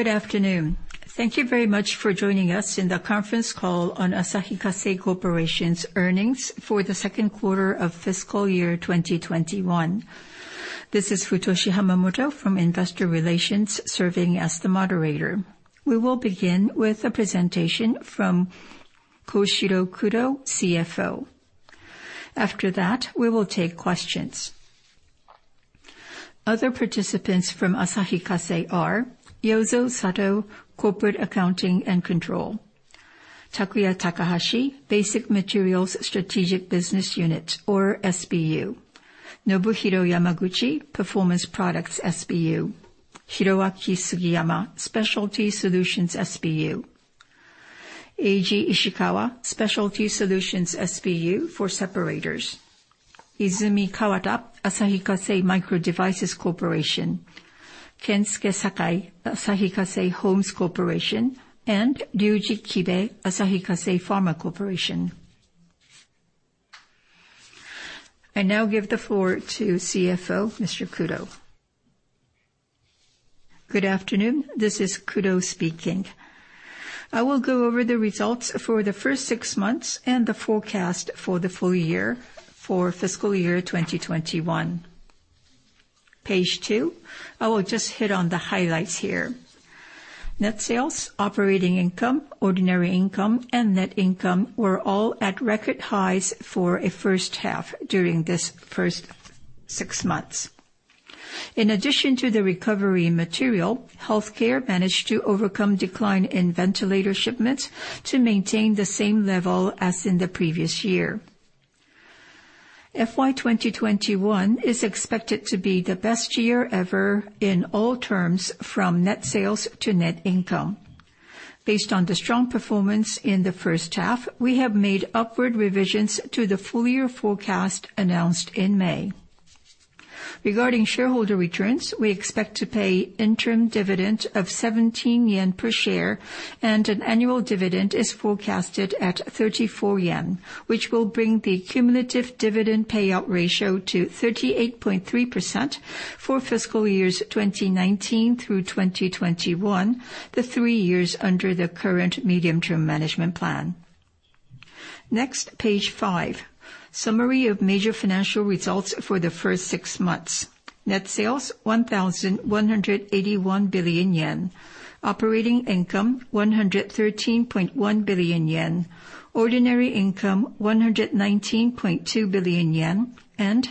Good afternoon. Thank you very much for joining us in the conference call on Asahi Kasei Corporation's earnings for the second quarter of fiscal year 2021. This is Futoshi Hamamoto from Investor Relations, serving as the moderator. We will begin with a presentation from Koshiro Kudo, CFO. After that, we will take questions. Other participants from Asahi Kasei are Yozo Sato, Corporate Accounting and Control. Takuya Takahashi, Basic Materials Strategic Business Unit, or SBU. Nobuhiro Yamaguchi, Performance Products SBU. Hiroaki Sugiyama, Specialty Solutions SBU. Eiji Ishikawa, Specialty Solutions SBU for Separators. Izumi Kawata, Asahi Kasei Microdevices Corporation. Kensuke Sakai, Asahi Kasei Homes Corporation. Ryuji Kibe, Asahi Kasei Pharma Corporation. I now give the floor to CFO, Mr. Kudo. Good afternoon. This is Kudo speaking. I will go over the results for the first six months and the forecast for the full year for fiscal year 2021. Page two, I will just hit on the highlights here. Net sales, operating income, ordinary income, and net income were all at record highs for a first half during this first six months. In addition to the recovery in Materials, Healthcare managed to overcome decline in ventilator shipments to maintain the same level as in the previous year. FY 2021 is expected to be the best year ever in all terms from net sales to net income. Based on the strong performance in the first half, we have made upward revisions to the full year forecast announced in May. Regarding shareholder returns, we expect to pay interim dividend of 17 yen per share, and an annual dividend is forecasted at 34 yen, which will bring the cumulative dividend payout ratio to 38.3% for fiscal years 2019 through 2021, the three years under the current medium-term management plan. Next, page five, summary of major financial results for the first six months. Net sales, 1,181 billion yen. Operating income, 113.1 billion yen. Ordinary income, 119.2 billion yen.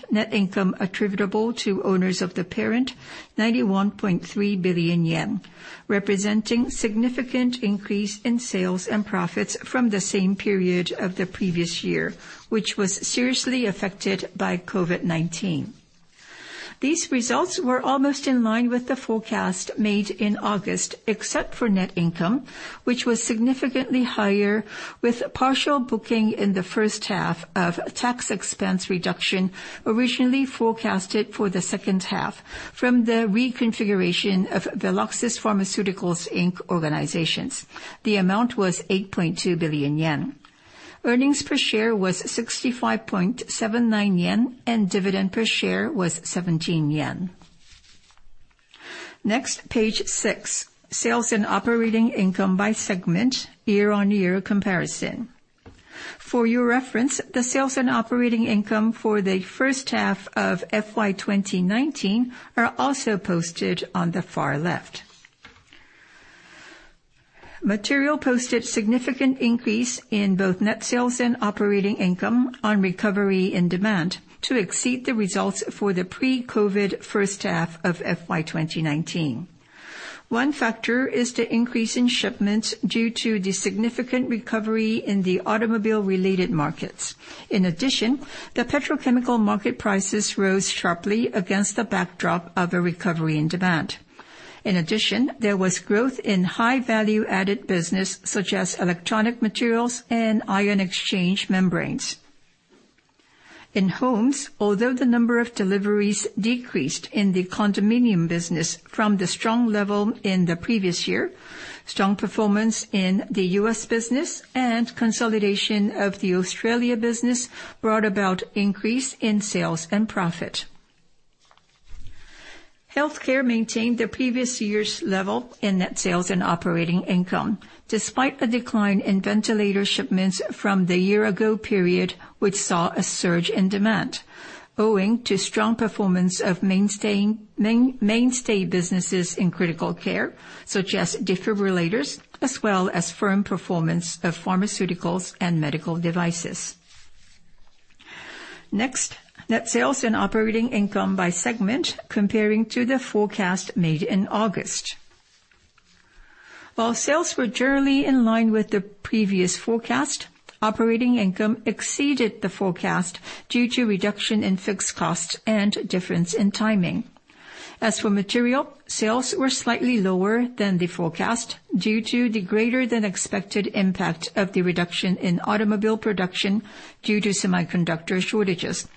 Net income attributable to owners of the parent, 91.3 billion yen, representing significant increase in sales and profits from the same period of the previous year, which was seriously affected by COVID-19. These results were almost in line with the forecast made in August, except for net income, which was significantly higher with partial booking in the first half of tax expense reduction originally forecasted for the second half from the reconfiguration of Veloxis Pharmaceuticals, Inc.'s organizations. The amount was 8.2 billion yen. Earnings per share was 65.79 yen, and dividend per share was 17 yen. Next, page 6, sales and operating income by segment, year-on-year comparison. For your reference, the sales and operating income for the first half of FY 2019 are also posted on the far left. Materials posted significant increase in both net sales and operating income on recovery in demand to exceed the results for the pre-COVID first half of FY 2019. One factor is the increase in shipments due to the significant recovery in the automobile-related markets. In addition, the petrochemical market prices rose sharply against the backdrop of a recovery in demand. In addition, there was growth in high value-added business, such as electronic materials and ion exchange membranes. In Homes, although the number of deliveries decreased in the condominium business from the strong level in the previous year, strong performance in the U.S. business and consolidation of the Australia business brought about increase in sales and profit. Healthcare maintained the previous year's level in net sales and operating income, despite a decline in ventilator shipments from the year ago period, which saw a surge in demand owing to strong performance of mainstay businesses in critical care, such as defibrillators, as well as firm performance of pharmaceuticals and medical devices. Next, net sales and operating income by segment compared to the forecast made in August. While sales were generally in line with the previous forecast, operating income exceeded the forecast due to reduction in fixed costs and difference in timing. As for material, sales were slightly lower than the forecast due to the greater than expected impact of the reduction in automobile production due to semiconductor shortages.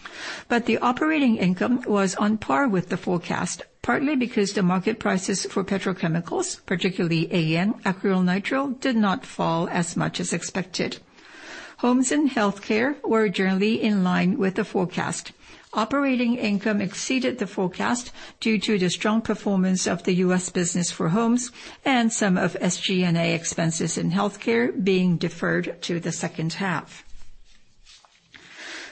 The operating income was on par with the forecast, partly because the market prices for petrochemicals, particularly AN, acrylonitrile, did not fall as much as expected. Homes and healthcare were generally in line with the forecast. Operating income exceeded the forecast due to the strong performance of the U.S. business for homes and some of SG&A expenses in healthcare being deferred to the second half.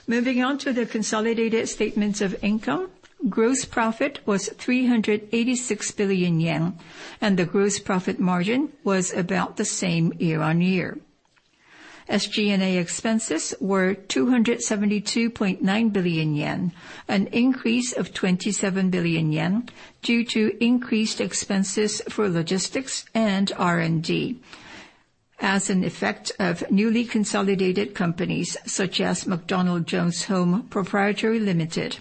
Moving on to the consolidated statements of income. Gross profit was 386 billion yen, and the gross profit margin was about the same year-on-year. SG&A expenses were 272.9 billion yen, an increase of 27 billion yen due to increased expenses for logistics and R&D as an effect of newly consolidated companies such as McDonald Jones Homes Pty Ltd.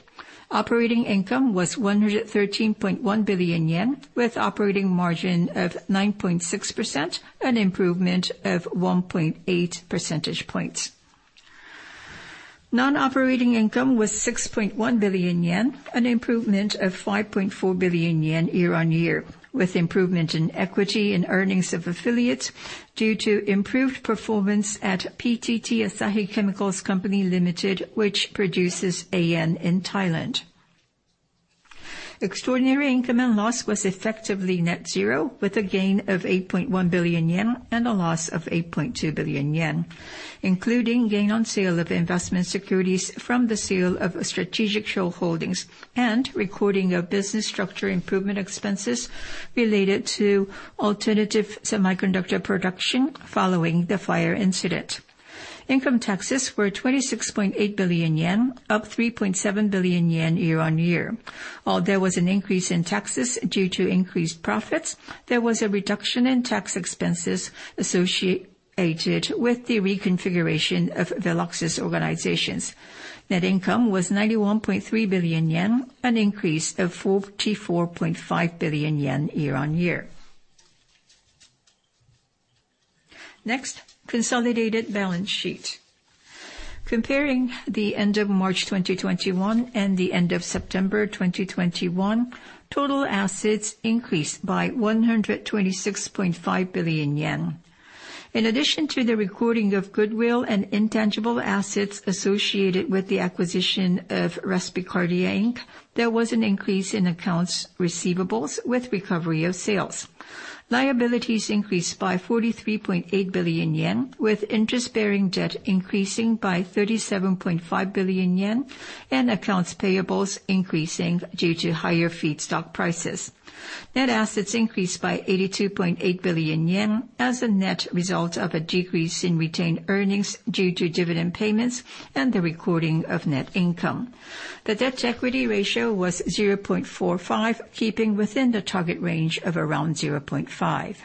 Operating income was 113.1 billion yen with operating margin of 9.6%, an improvement of 1.8 percentage points. Nonoperating income was 6.1 billion yen, an improvement of 5.4 billion yen year-on-year, with improvement in equity and earnings of affiliates due to improved performance at PTT Asahi Chemical Company Limited, which produces AN in Thailand. Extraordinary income and loss was effectively net zero, with a gain of 8.1 billion yen and a loss of 8.2 billion yen, including gain on sale of investment securities from the sale of strategic shareholdings and recording of business structure improvement expenses related to alternative semiconductor production following the fire incident. Income taxes were 26.8 billion yen, up 3.7 billion yen year-on-year. While there was an increase in taxes due to increased profits, there was a reduction in tax expenses associated with the reconfiguration of Veloxis's organizations. Net income was 91.3 billion yen, an increase of 44.5 billion yen year-on-year. Next, consolidated balance sheet. Comparing the end of March 2021 and the end of September 2021, total assets increased by 126.5 billion yen. In addition to the recording of goodwill and intangible assets associated with the acquisition of Respicardia, Inc., there was an increase in accounts receivable with recovery of sales. Liabilities increased by 43.8 billion yen, with interest-bearing debt increasing by 37.5 billion yen and accounts payable increasing due to higher feedstock prices. Net assets increased by 82.8 billion yen as a net result of a decrease in retained earnings due to dividend payments and the recording of net income. The debt-to-equity ratio was 0.45, keeping within the target range of around 0.5.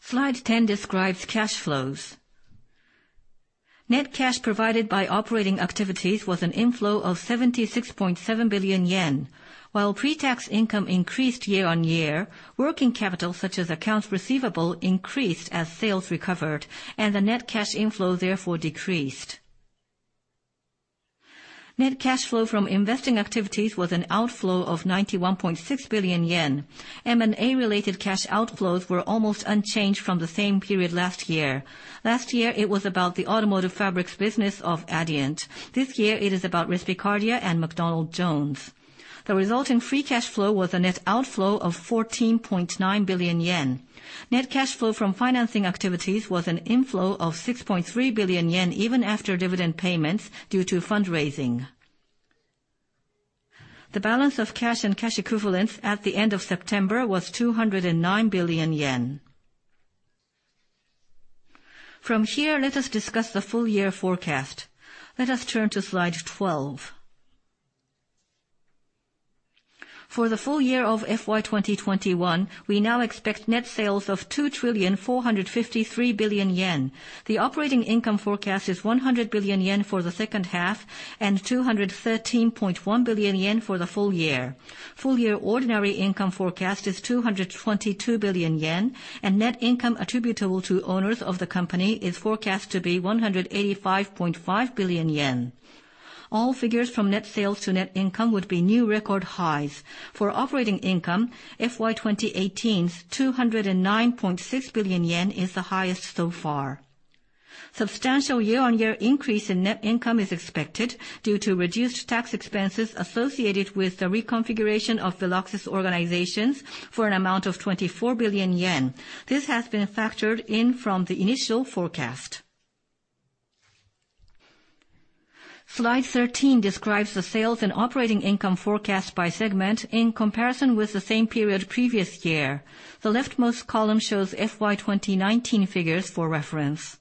Slide 10 describes cash flows. Net cash provided by operating activities was an inflow of 76.7 billion yen. While pre-tax income increased year-on-year, working capital, such as accounts receivable, increased as sales recovered, and the net cash inflow therefore decreased. Net cash flow from investing activities was an outflow of 91.6 billion yen. M&A-related cash outflows were almost unchanged from the same period last year. Last year, it was about the automotive fabrics business of Adient. This year it is about Respicardia and McDonald Jones. The result in free cash flow was a net outflow of 14.9 billion yen. Net cash flow from financing activities was an inflow of 6.3 billion yen even after dividend payments due to fundraising. The balance of cash and cash equivalents at the end of September was 209 billion yen. From here, let us discuss the full-year forecast. Let us turn to slide 12. For the full year of FY 2021, we now expect net sales of 2,453 billion yen. The operating income forecast is 100 billion yen for the second half and 213.1 billion yen for the full year. Full year ordinary income forecast is 222 billion yen, and net income attributable to owners of the company is forecast to be 185.5 billion yen. All figures from net sales to net income would be new record highs. For operating income, FY 2018's 209.6 billion yen is the highest so far. Substantial year-on-year increase in net income is expected due to reduced tax expenses associated with the reconfiguration of Veloxis's organizations for an amount of 24 billion yen. This has been factored in from the initial forecast. Slide 13 describes the sales and operating income forecast by segment in comparison with the same period previous year. The leftmost column shows FY 2019 figures for reference.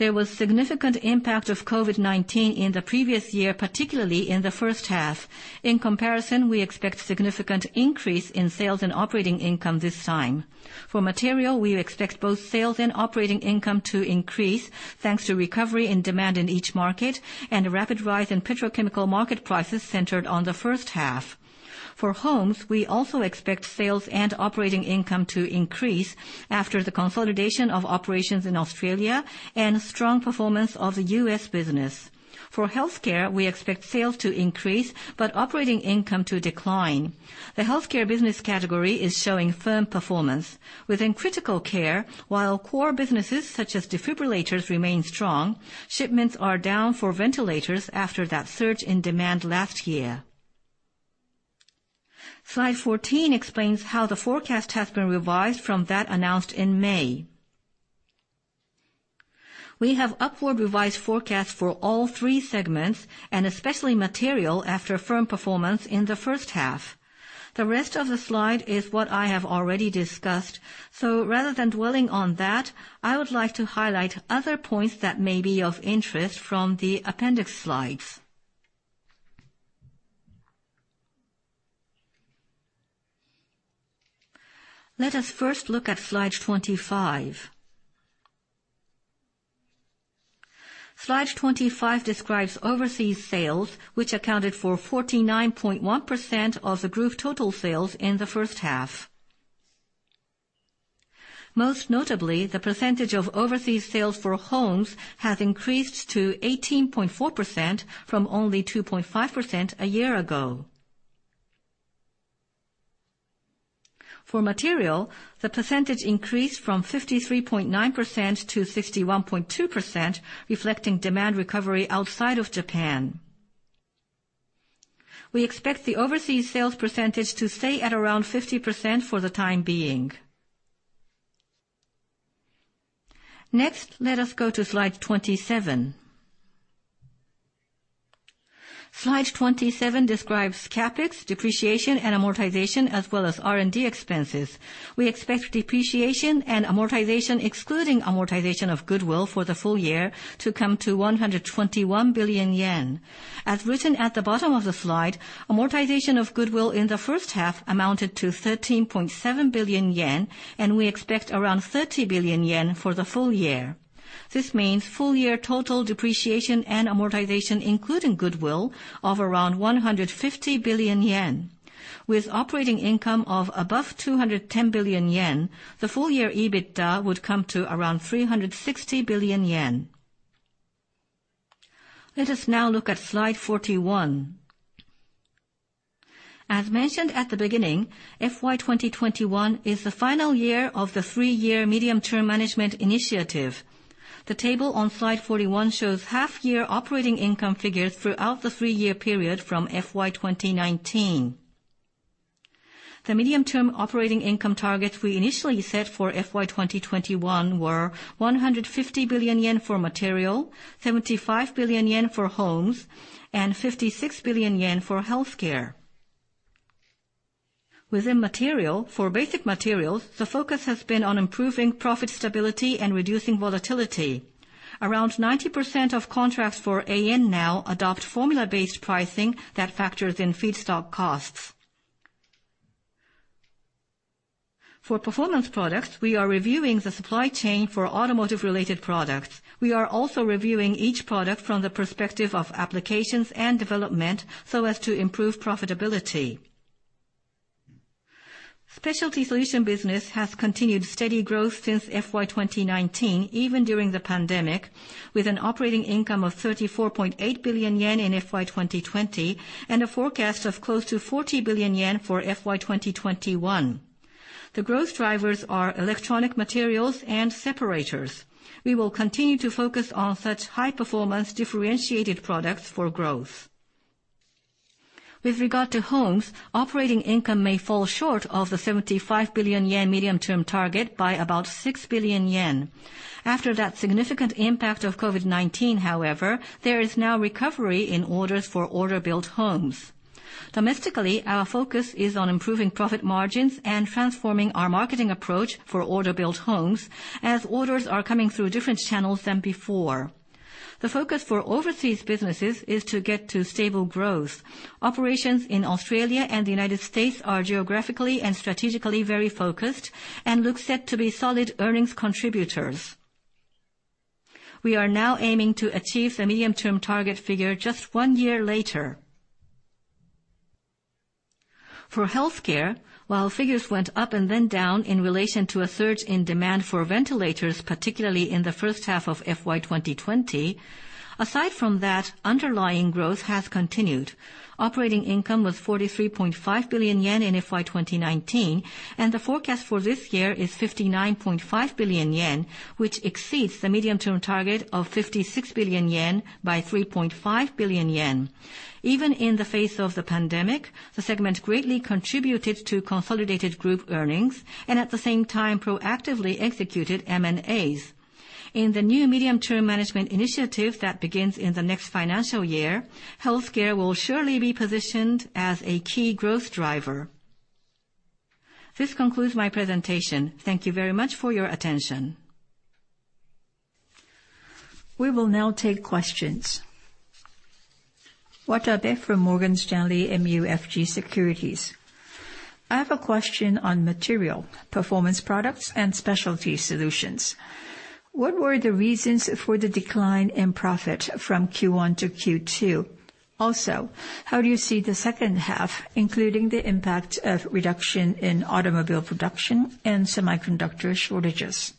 There was significant impact of COVID-19 in the previous year, particularly in the first half. In comparison, we expect significant increase in sales and operating income this time. For material, we expect both sales and operating income to increase thanks to recovery in demand in each market and a rapid rise in petrochemical market prices centered on the first half. For homes, we also expect sales and operating income to increase after the consolidation of operations in Australia and strong performance of the U.S. business. For healthcare, we expect sales to increase, but operating income to decline. The healthcare business category is showing firm performance. Within critical care, while core businesses such as defibrillators remain strong, shipments are down for ventilators after that surge in demand last year. Slide 14 explains how the forecast has been revised from that announced in May. We have upward revised forecasts for all three segments, and especially material after firm performance in the first half. The rest of the slide is what I have already discussed, so rather than dwelling on that, I would like to highlight other points that may be of interest from the appendix slides. Let us first look at slide 25. Slide 25 describes overseas sales, which accounted for 49.1% of the group total sales in the first half. Most notably, the percentage of overseas sales for homes has increased to 18.4% from only 2.5% a year ago. For material, the percentage increased from 53.9% to 61.2%, reflecting demand recovery outside of Japan. We expect the overseas sales percentage to stay at around 50% for the time being. Next, let us go to slide 27. Slide 27 describes CapEx depreciation and amortization, as well as R&D expenses. We expect depreciation and amortization, excluding amortization of goodwill for the full year to come to 121 billion yen. As written at the bottom of the slide, amortization of goodwill in the first half amounted to 13.7 billion yen, and we expect around 30 billion yen for the full year. This means full year total depreciation and amortization, including goodwill of around 150 billion yen. With operating income of above 210 billion yen, the full-year EBITDA would come to around 360 billion yen. Let us now look at Slide 41. As mentioned at the beginning, FY 2021 is the final year of the 3-year medium-term management initiative. The table on Slide 41 shows half year operating income figures throughout the 3-year period from FY 2019. The medium-term operating income targets we initially set for FY 2021 were 150 billion yen for material, 75 billion yen for homes, and 56 billion yen for healthcare. Within material, for basic materials, the focus has been on improving profit stability and reducing volatility. Around 90% of contracts for AN now adopt formula-based pricing that factors in feedstock costs. For performance products, we are reviewing the supply chain for automotive related products. We are also reviewing each product from the perspective of applications and development so as to improve profitability. Specialty solution business has continued steady growth since FY 2019, even during the pandemic, with an operating income of 34.8 billion yen in FY 2020, and a forecast of close to 40 billion yen for FY 2021. The growth drivers are electronic materials and separators. We will continue to focus on such high-performance differentiated products for growth. With regard to homes, operating income may fall short of the 75 billion yen medium-term target by about 6 billion yen. After that significant impact of COVID-19, however, there is now recovery in orders for order build homes. Domestically, our focus is on improving profit margins and transforming our marketing approach for order build homes as orders are coming through different channels than before. The focus for overseas businesses is to get to stable growth. Operations in Australia and the United States are geographically and strategically very focused and look set to be solid earnings contributors. We are now aiming to achieve the medium-term target figure just 1 year later. For healthcare, while figures went up and then down in relation to a surge in demand for ventilators, particularly in the first half of FY 2020, aside from that, underlying growth has continued. Operating income was 43.5 billion yen in FY 2019, and the forecast for this year is 59.5 billion yen, which exceeds the medium-term target of 56 billion yen by 3.5 billion yen. Even in the face of the pandemic, the segment greatly contributed to consolidated group earnings and at the same time proactively executed M&As. In the new medium-term management initiative that begins in the next financial year, healthcare will surely be positioned as a key growth driver. This concludes my presentation. Thank you very much for your attention. We will now take questions. I have a question on Materials, Performance Products and Specialty Solutions. What were the reasons for the decline in profit from Q1 to Q2? Also, how do you see the second half, including the impact of reduction in automobile production and semiconductor shortages?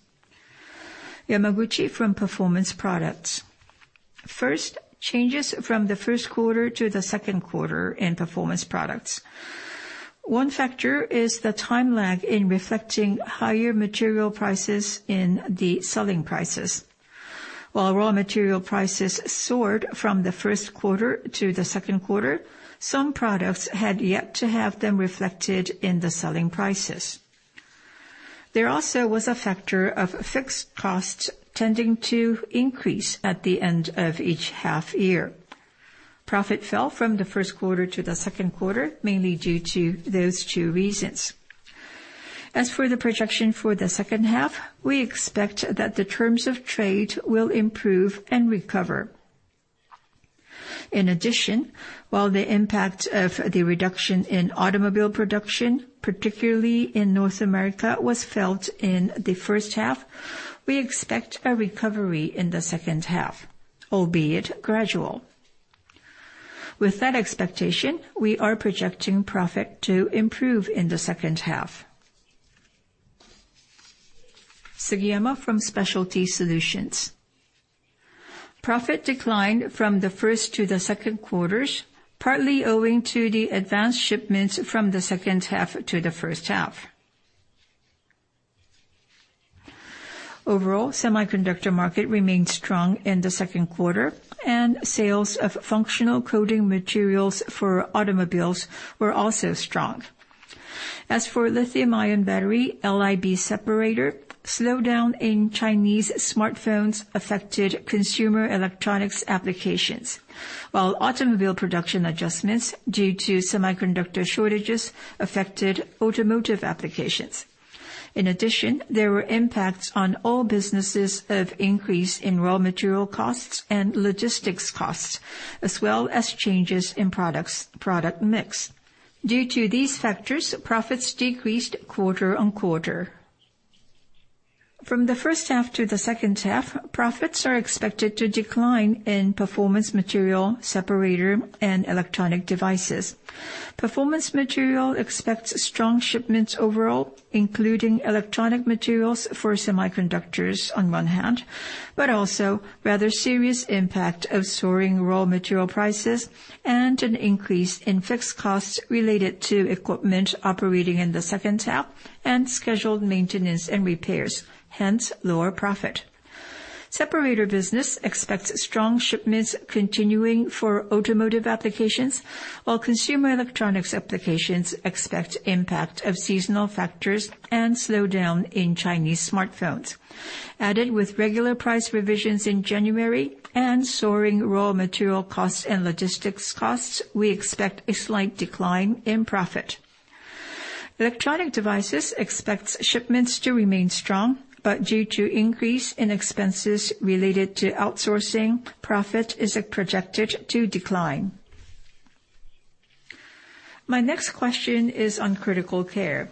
First, changes from the first quarter to the second quarter in Performance Products. One factor is the time lag in reflecting higher material prices in the selling prices. While raw material prices soared from the first quarter to the second quarter, some products had yet to have them reflected in the selling prices. There also was a factor of fixed costs tending to increase at the end of each half year. Profit fell from the first quarter to the second quarter, mainly due to those two reasons. As for the projection for the second half, we expect that the terms of trade will improve and recover. In addition, while the impact of the reduction in automobile production, particularly in North America, was felt in the first half, we expect a recovery in the second half, albeit gradual. With that expectation, we are projecting profit to improve in the second half. Profit declined from the first to the second quarters, partly owing to the advanced shipments from the second half to the first half. Overall, semiconductor market remained strong in the second quarter, and sales of functional coating materials for automobiles were also strong. As for lithium-ion battery LIB separator, slowdown in Chinese smartphones affected consumer electronics applications, while automobile production adjustments due to semiconductor shortages affected automotive applications. In addition, there were impacts on all businesses of increase in raw material costs and logistics costs, as well as changes in products, product mix. Due to these factors, profits decreased quarter-on-quarter. From the first half to the second half, profits are expected to decline in Performance Materials, Separators, and Electronic Devices. Performance Materials expects strong shipments overall, including electronic materials for semiconductors on one hand, but also rather serious impact of soaring raw material prices and an increase in fixed costs related to equipment operating in the second half and scheduled maintenance and repairs, hence lower profit. Separator business expects strong shipments continuing for automotive applications, while consumer electronics applications expect impact of seasonal factors and slowdown in Chinese smartphones. Added with regular price revisions in January and soaring raw material costs and logistics costs, we expect a slight decline in profit. Electronic devices expects shipments to remain strong, but due to increase in expenses related to outsourcing, profit is projected to decline. My next question is on critical care.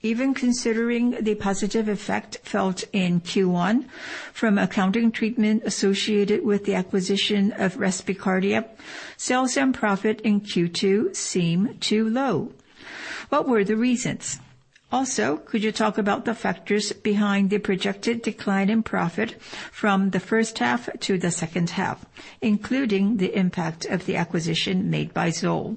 Even considering the positive effect felt in Q1 from accounting treatment associated with the acquisition of Respicardia, sales and profit in Q2 seem too low. What were the reasons? Also, could you talk about the factors behind the projected decline in profit from the first half to the second half, including the impact of the acquisition made by ZOLL?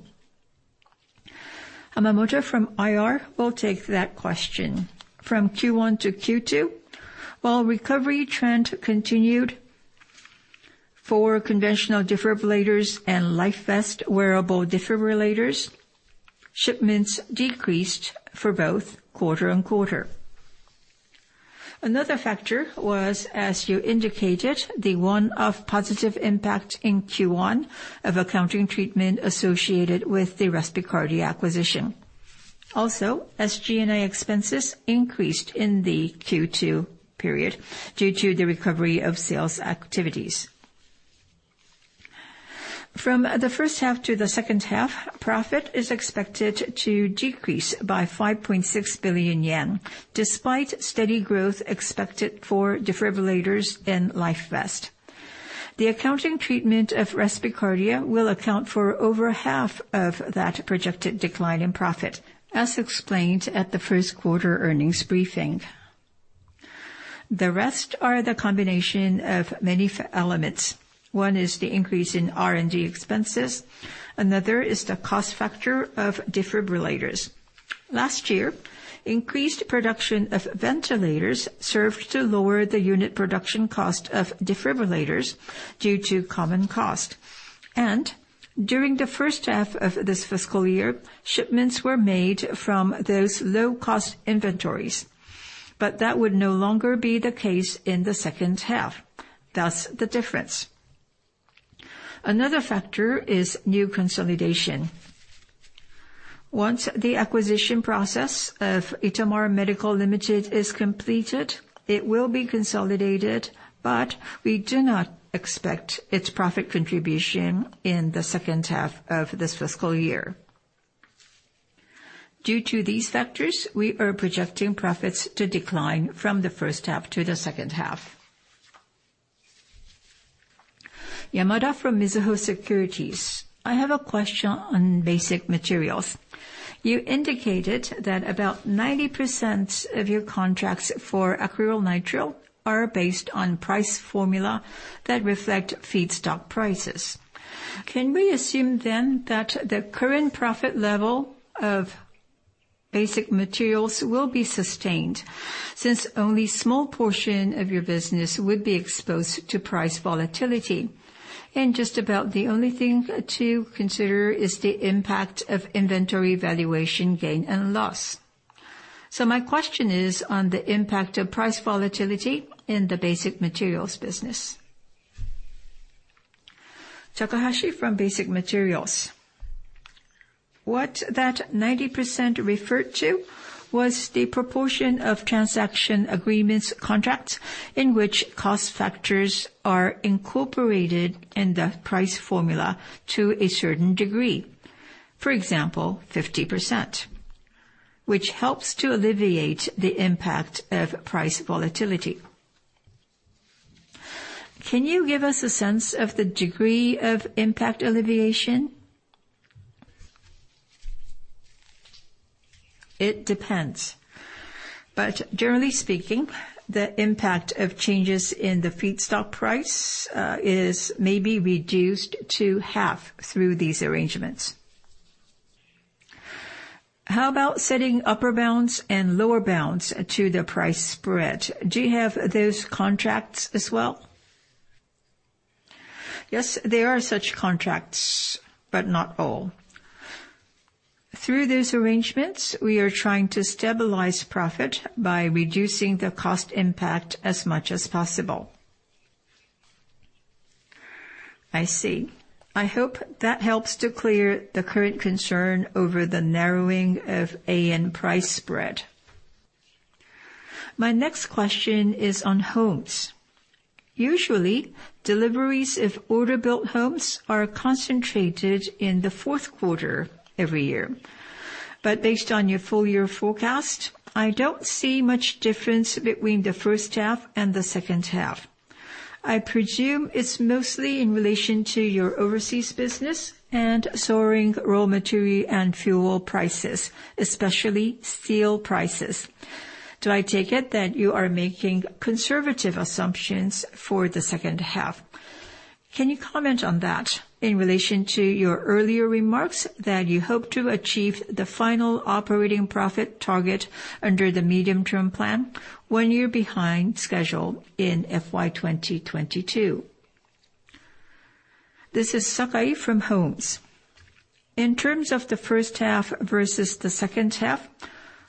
Hamamoto from IR will take that question. From Q1 to Q2, while recovery trend continued for conventional defibrillators and LifeVest wearable defibrillators, shipments decreased for both quarter-over-quarter. Another factor was, as you indicated, the one-off positive impact in Q1 of accounting treatment associated with the Respicardia acquisition. Also, G&A expenses increased in the Q2 period due to the recovery of sales activities. From the first half to the second half, profit is expected to decrease by 5.6 billion yen, despite steady growth expected for defibrillators and LifeVest. The accounting treatment of Respicardia will account for over half of that projected decline in profit, as explained at the first quarter earnings briefing. The rest are the combination of many factors. One is the increase in R&D expenses. Another is the cost factor of defibrillators. Last year, increased production of ventilators served to lower the unit production cost of defibrillators due to common cost. During the first half of this fiscal year, shipments were made from those low-cost inventories. That would no longer be the case in the second half. Thus, the difference. Another factor is new consolidation. Once the acquisition process of Itamar Medical Ltd. is completed, it will be consolidated, but we do not expect its profit contribution in the second half of this fiscal year. Due to these factors, we are projecting profits to decline from the first half to the second half. I have a question on basic materials. You indicated that about 90% of your contracts for acrylonitrile are based on price formula that reflect feedstock prices. Can we assume then that the current profit level of Basic Materials will be sustained since only small portion of your business would be exposed to price volatility. Just about the only thing to consider is the impact of inventory valuation gain and loss. My question is on the impact of price volatility in the basic materials business. Takahashi from Basic Materials. What that 90% referred to was the proportion of transaction agreements contracts in which cost factors are incorporated in the price formula to a certain degree. For example, 50%, which helps to alleviate the impact of price volatility. Can you give us a sense of the degree of impact alleviation? It depends, but generally speaking, the impact of changes in the feedstock price is maybe reduced to half through these arrangements. How about setting upper bounds and lower bounds to the price spread? Do you have those contracts as well? Yes, there are such contracts, but not all. Through those arrangements, we are trying to stabilize profit by reducing the cost impact as much as possible. I see. I hope that helps to clear the current concern over the narrowing of AN price spread. My next question is on homes. Usually, deliveries of order-built homes are concentrated in the fourth quarter every year. Based on your full year forecast, I don't see much difference between the first half and the second half. I presume it's mostly in relation to your overseas business and soaring raw material and fuel prices, especially steel prices. Do I take it that you are making conservative assumptions for the second half? Can you comment on that in relation to your earlier remarks that you hope to achieve the final operating profit target under the medium-term plan one year behind schedule in FY 2022? This is Sakai from Homes. In terms of the first half versus the second half,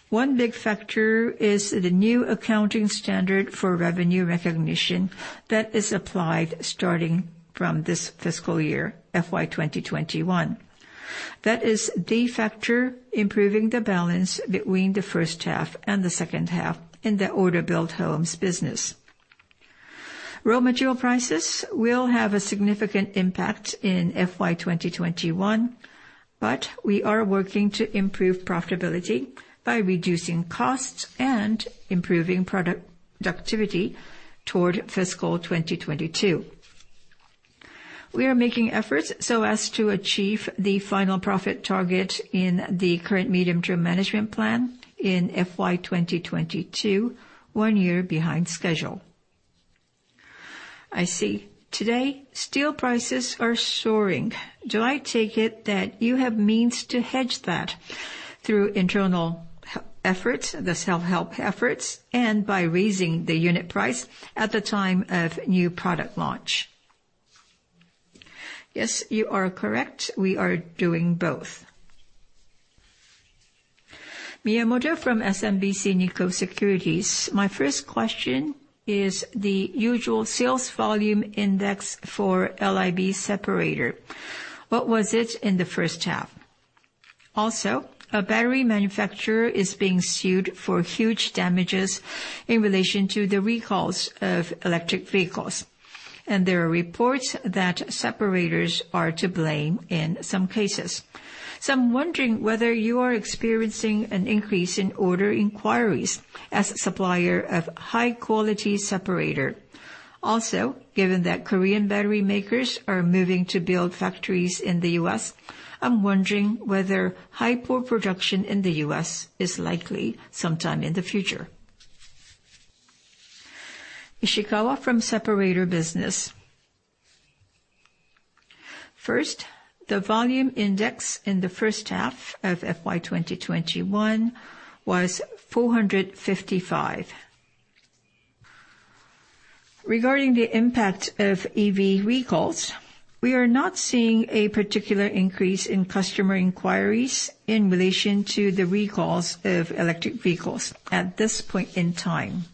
one big factor is the new accounting standard for revenue recognition that is applied starting from this fiscal year, FY 2021. That is the factor improving the balance between the first half and the second half in the order-built homes business. Raw material prices will have a significant impact in FY 2021, but we are working to improve profitability by reducing costs and improving productivity toward fiscal 2022. We are making efforts so as to achieve the final profit target in the current medium-term management plan in FY 2022, one year behind schedule. I see. Today, steel prices are soaring. Do I take it that you have means to hedge that through internal self-help efforts, the self-help efforts, and by raising the unit price at the time of new product launch? Yes, you are correct. We are doing both. My first question is the usual sales volume index for LIB separator. What was it in the first half? Also, a battery manufacturer is being sued for huge damages in relation to the recalls of electric vehicles, and there are reports that separators are to blame in some cases. So I'm wondering whether you are experiencing an increase in order inquiries as a supplier of high-quality separator. Also, given that Korean battery makers are moving to build factories in the U.S., I'm wondering whether Hipore production in the U.S. is likely sometime in the future. Ishikawa from Separator Business. First, the volume index in the first half of FY 2021 was 455. Regarding the impact of EV recalls, we are not seeing a particular increase in customer inquiries in relation to the recalls of electric vehicles at this point in time.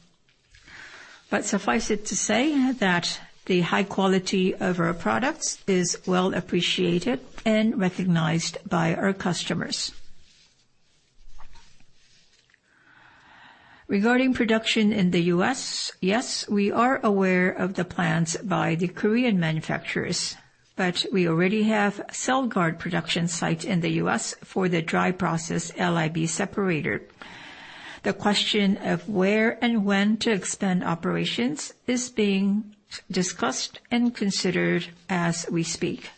Suffice it to say that the high quality of our products is well appreciated and recognized by our customers. Regarding production in the U.S., yes, we are aware of the plans by the Korean manufacturers, but we already have Celgard production site in the U.S. for the dry process LIB separator. The question of where and when to expand operations is being discussed and considered as we speak.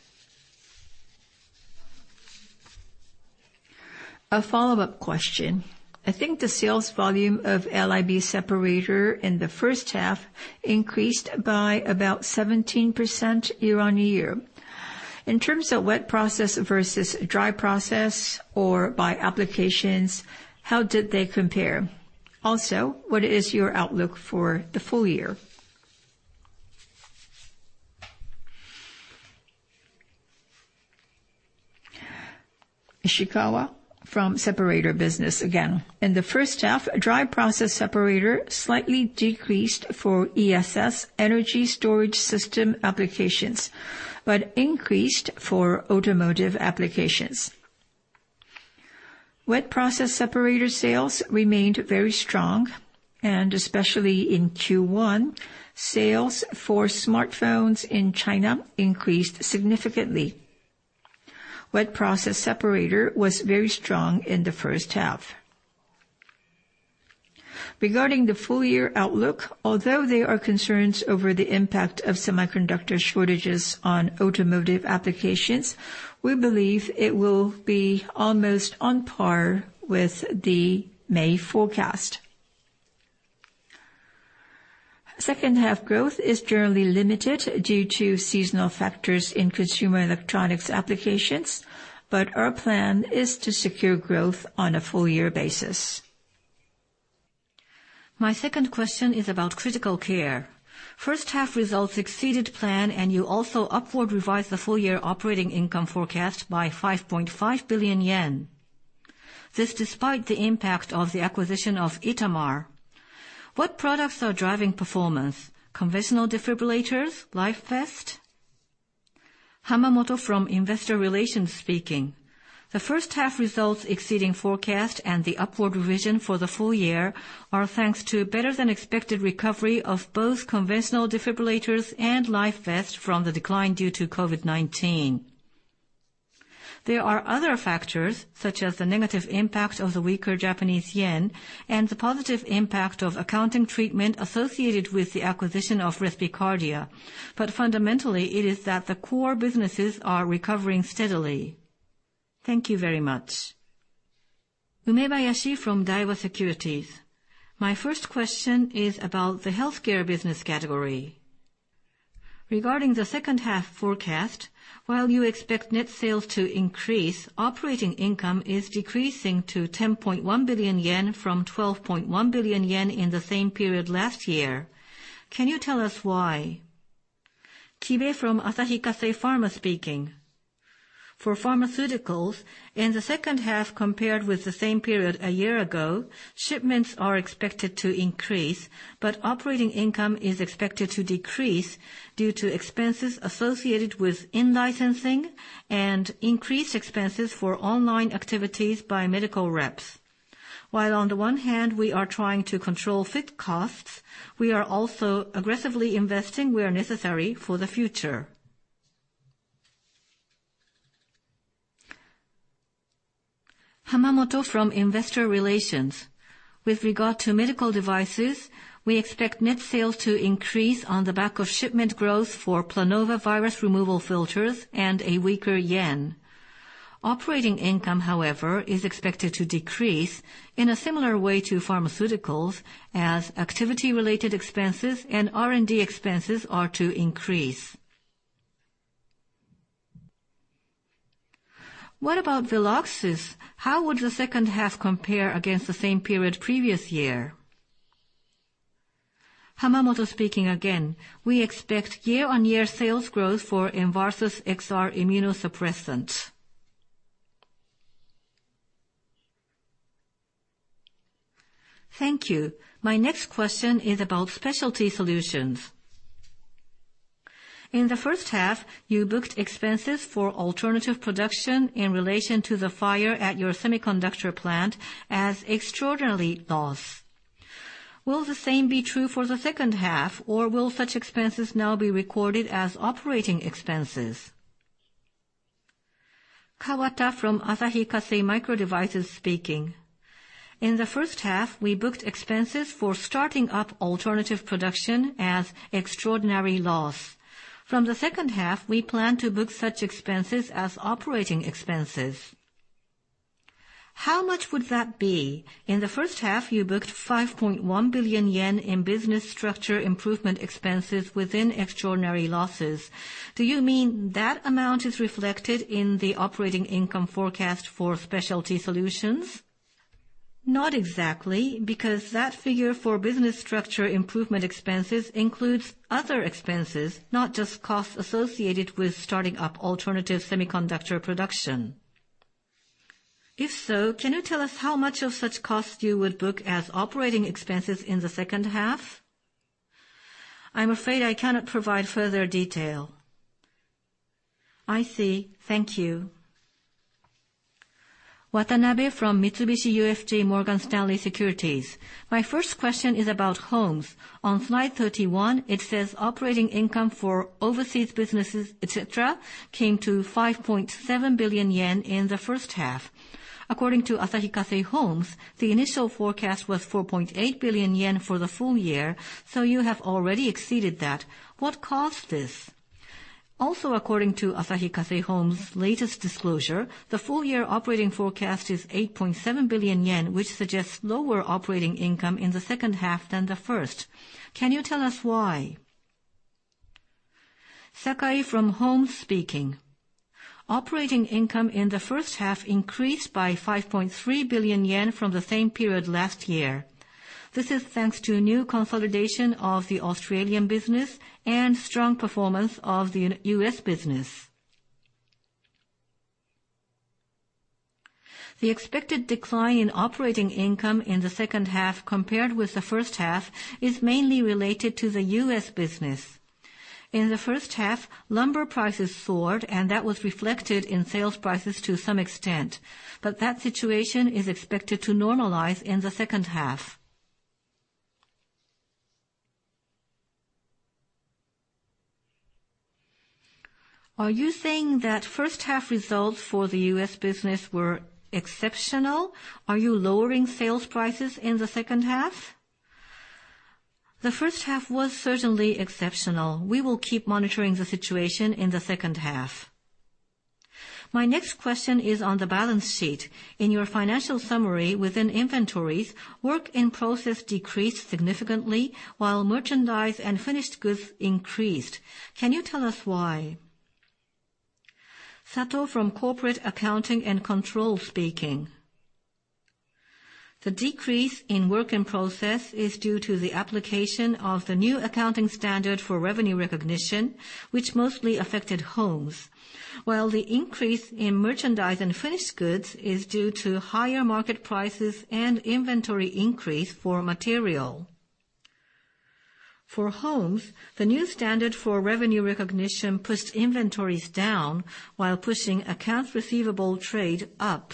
A follow-up question. I think the sales volume of LIB separator in the first half increased by about 17% year-on-year. In terms of wet process versus dry process or by applications, how did they compare? Also, what is your outlook for the full year? In the first half, dry process separator slightly decreased for ESS, energy storage system applications, but increased for automotive applications. Wet process separator sales remained very strong, and especially in Q1, sales for smartphones in China increased significantly. Wet process separator was very strong in the first half. Regarding the full year outlook, although there are concerns over the impact of semiconductor shortages on automotive applications, we believe it will be almost on par with the May forecast. Second half growth is generally limited due to seasonal factors in consumer electronics applications, but our plan is to secure growth on a full year basis. My second question is about critical care. First half results exceeded plan, and you also upward revised the full year operating income forecast by 5.5 billion yen. This despite the impact of the acquisition of Itamar. What products are driving performance? Conventional defibrillators? LifeVest? The first half results exceeding forecast and the upward revision for the full year are thanks to better than expected recovery of both conventional defibrillators and LifeVest from the decline due to COVID-19. There are other factors such as the negative impact of the weaker Japanese yen and the positive impact of accounting treatment associated with the acquisition of Respicardia. Fundamentally, it is that the core businesses are recovering steadily. Thank you very much. My first question is about the healthcare business category. Regarding the second half forecast, while you expect net sales to increase, operating income is decreasing to 10.1 billion yen from 12.1 billion yen in the same period last year. Can you tell us why? For pharmaceuticals, in the second half compared with the same period a year ago, shipments are expected to increase, but operating income is expected to decrease due to expenses associated with in-licensing and increased expenses for online activities by medical reps. While on the one hand, we are trying to control fixed costs, we are also aggressively investing where necessary for the future. With regard to medical devices, we expect net sales to increase on the back of shipment growth for Planova virus removal filters and a weaker yen. Operating income, however, is expected to decrease in a similar way to pharmaceuticals as activity-related expenses and R&D expenses are to increase. What about Veloxis? How would the second half compare against the same period previous year? We expect year-on-year sales growth for ENVARSUS XR immunosuppressant. Thank you. My next question is about Specialty Solutions. In the first half, you booked expenses for alternative production in relation to the fire at your semiconductor plant as extraordinary loss. Will the same be true for the second half, or will such expenses now be recorded as operating expenses? In the first half, we booked expenses for starting up alternative production as extraordinary loss. From the second half, we plan to book such expenses as operating expenses. How much would that be? In the first half, you booked 5.1 billion yen in business structure improvement expenses within extraordinary losses. Do you mean that amount is reflected in the operating income forecast for specialty solutions? Not exactly, because that figure for business structure improvement expenses includes other expenses, not just costs associated with starting up alternative semiconductor production. If so, can you tell us how much of such costs you would book as operating expenses in the second half? I'm afraid I cannot provide further detail. I see. Thank you. My first question is about homes. On slide 31, it says operating income for overseas businesses, et cetera, came to 5.7 billion yen in the first half. According to Asahi Kasei Homes, the initial forecast was 4.8 billion yen for the full year, so you have already exceeded that. What caused this? Also, according to Asahi Kasei Homes' latest disclosure, the full year operating forecast is 8.7 billion yen, which suggests lower operating income in the second half than the first. Can you tell us why? Operating income in the first half increased by 5.3 billion yen from the same period last year. This is thanks to new consolidation of the Australian business and strong performance of the U.S. business. The expected decline in operating income in the second half compared with the first half is mainly related to the U.S. business. In the first half, lumber prices soared, and that was reflected in sales prices to some extent, but that situation is expected to normalize in the second half. Are you saying that first half results for the U.S. business were exceptional? Are you lowering sales prices in the second half? The first half was certainly exceptional. We will keep monitoring the situation in the second half. My next question is on the balance sheet. In your financial summary within inventories, work in process decreased significantly, while merchandise and finished goods increased. Can you tell us why? The decrease in work in process is due to the application of the new accounting standard for revenue recognition, which mostly affected homes. While the increase in merchandise and finished goods is due to higher market prices and inventory increase for material. For homes, the new standard for revenue recognition pushed inventories down while pushing accounts receivable trade up.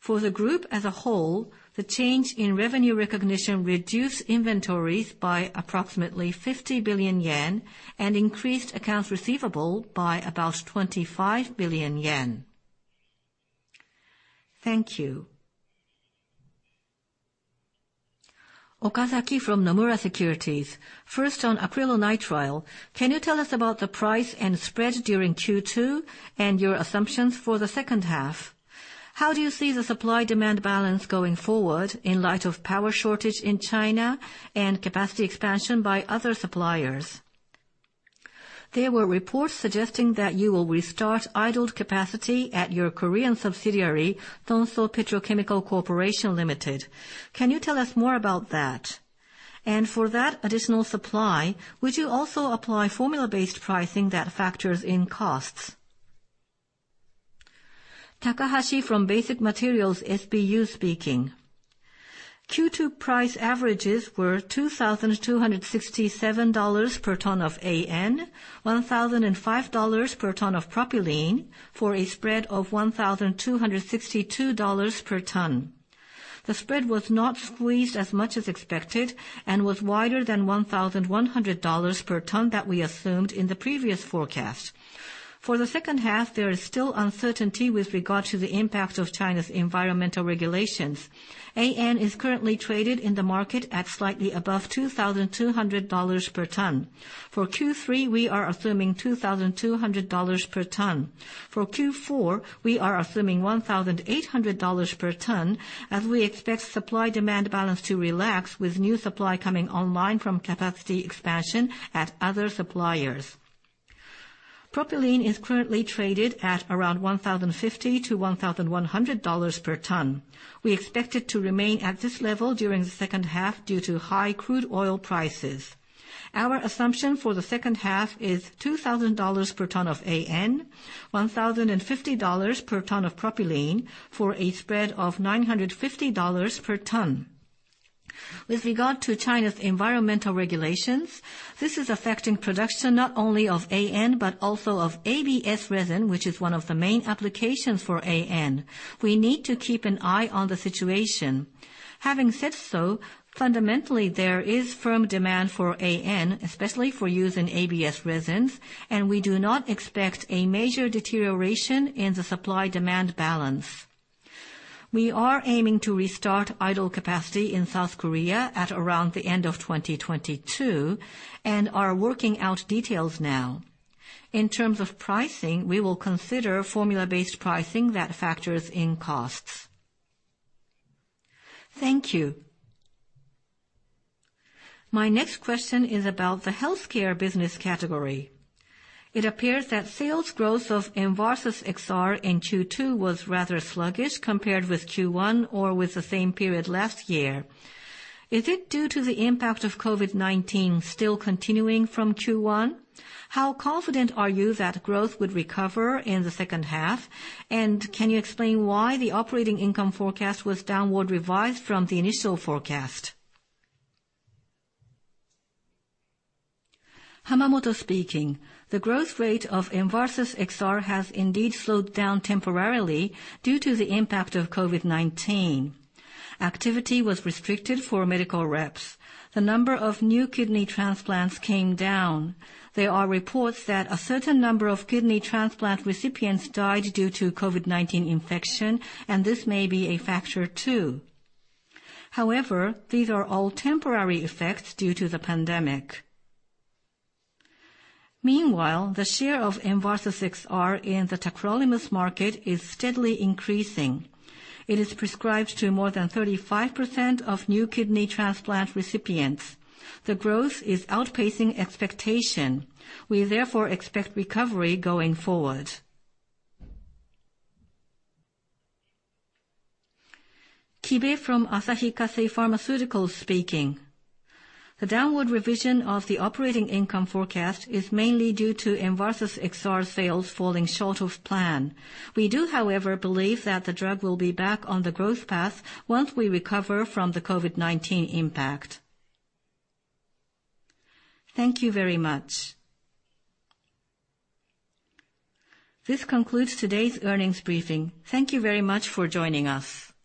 For the group as a whole, the change in revenue recognition reduced inventories by approximately 50 billion yen and increased accounts receivable by about 25 billion yen. Thank you. First, on acrylonitrile, can you tell us about the price and spread during Q2 and your assumptions for the second half? How do you see the supply-demand balance going forward in light of power shortage in China and capacity expansion by other suppliers? There were reports suggesting that you will restart idled capacity at your Korean subsidiary, Tongsuh Petrochemical Corporation Ltd. Can you tell us more about that? And for that additional supply, would you also apply formula-based pricing that factors in costs? Q2 price averages were $2,267 per ton of AN, $1,005 per ton of propylene, for a spread of $1,262 per ton. The spread was not squeezed as much as expected and was wider than $1,100 per ton that we assumed in the previous forecast. For the second half, there is still uncertainty with regard to the impact of China's environmental regulations. AN is currently traded in the market at slightly above $2,200 per ton. For Q3, we are assuming $2,200 per ton. For Q4, we are assuming $1,800 per ton, as we expect supply-demand balance to relax with new supply coming online from capacity expansion at other suppliers. Propylene is currently traded at around $1,050-$1,100 per ton. We expect it to remain at this level during the second half due to high crude oil prices. Our assumption for the second half is $2,000 per ton of AN, $1,050 per ton of propylene for a spread of $950 per ton. With regard to China's environmental regulations, this is affecting production not only of AN, but also of ABS resin, which is one of the main applications for AN. We need to keep an eye on the situation. Having said so, fundamentally, there is firm demand for AN, especially for use in ABS resins, and we do not expect a major deterioration in the supply-demand balance. We are aiming to restart idle capacity in South Korea at around the end of 2022 and are working out details now. In terms of pricing, we will consider formula-based pricing that factors in costs. Thank you. My next question is about the healthcare business category. It appears that sales growth of ENVARSUS XR in Q2 was rather sluggish compared with Q1 or with the same period last year. Is it due to the impact of COVID-19 still continuing from Q1? How confident are you that growth would recover in the second half? Can you explain why the operating income forecast was downward revised from the initial forecast? The growth rate of ENVARSUS XR has indeed slowed down temporarily due to the impact of COVID-19. Activity was restricted for medical reps. The number of new kidney transplants came down. There are reports that a certain number of kidney transplant recipients died due to COVID-19 infection, and this may be a factor too. However, these are all temporary effects due to the pandemic. Meanwhile, the share of ENVARSUS XR in the tacrolimus market is steadily increasing. It is prescribed to more than 35% of new kidney transplant recipients. The growth is outpacing expectation. We therefore expect recovery going forward. The downward revision of the operating income forecast is mainly due to ENVARSUS XR sales falling short of plan. We do, however, believe that the drug will be back on the growth path once we recover from the COVID-19 impact. Thank you very much. This concludes today's earnings briefing. Thank you very much for joining us.